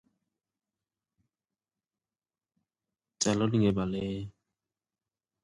Like its parent route, it is signed east-west.